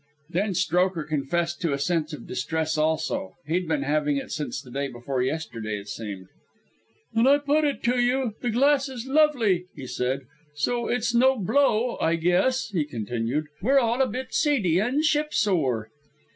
Then Strokher confessed to a sense of distress also. He'd been having it since day before yesterday, it seemed. "And I put it to you the glass is lovely," he said, "so it's no blow. I guess," he continued, "we're all a bit seedy and ship sore."